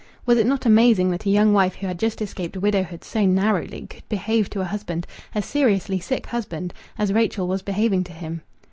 Was it not amazing that a young wife who had just escaped widowhood so narrowly could behave to a husband, a seriously sick husband, as Rachel was behaving to him?